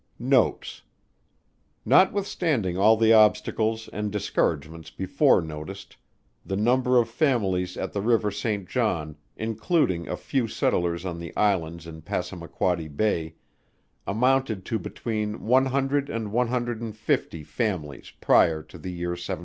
NOTES. Notwithstanding all the obstacles and discouragements before noticed, the number of families at the river Saint John, including a few settlers on the Islands in Passamaquoddy Bay, amounted to between one hundred and one hundred and fifty families prior to the year 1783.